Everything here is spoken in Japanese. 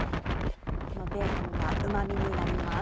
このベーコンがうま味になります。